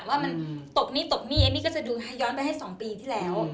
ว่ามันตบนี่ตบนี่เอมมี่ก็จะดูย้อนไปให้๒ปีที่แล้ว